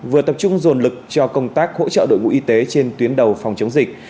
vừa tập trung dồn lực cho công tác hỗ trợ đội ngũ y tế trên tuyến đầu phòng chống dịch